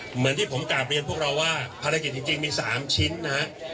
เหมือนที่ผมกลับเรียนพวกเราว่าภารกิจจริงมี๓ชิ้นนะฮะ